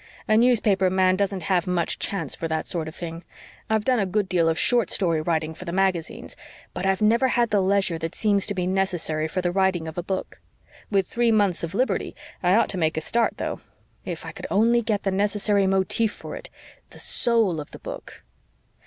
A newspaper man doesn't have much chance for that sort of thing. I've done a good deal of short story writing for the magazines, but I've never had the leisure that seems to be necessary for the writing of a book. With three months of liberty I ought to make a start, though if I could only get the necessary motif for it the SOUL of the book."